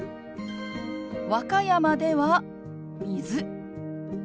和歌山では「水」。